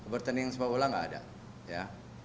pertandingan sepak bola tidak ada